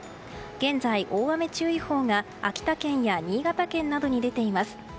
現在、大雨注意報が秋田県や新潟県などに出ています。